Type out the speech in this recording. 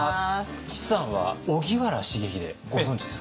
岸さんは荻原重秀ご存じですか？